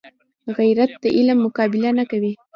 غیرت د علم مقابله نه کوي